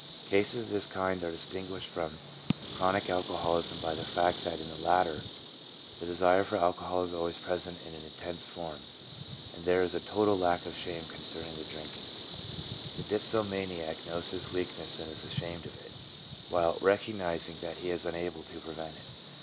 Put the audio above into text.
Cases of this kind are distinguished from chronic alcoholism by the fact that in the latter the desire for alcohol is always present in an intense form, and there is a total lack of shame concerning the drinking: the dipsomaniac knows his weakness and is ashamed of it, while re cognizing that he is unable to prevent it.